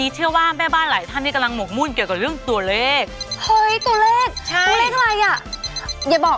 เพราะว่าวันนี้วันสิ้นเดือนเดือนออก